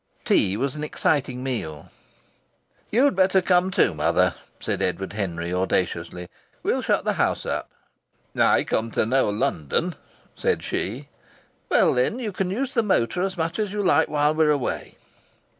Tea was an exciting meal. "You'd better come too mother," said Edward Henry, audaciously. "We'll shut the house up." "I come to no London," said she. "Well, then, you can use the motor as much as you like while we're away."